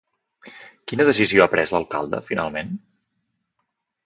Quina decisió ha pres l'alcalde finalment?